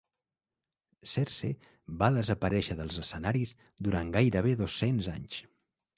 "Serse" va desaparèixer dels escenaris durant gairebé dos-cents anys.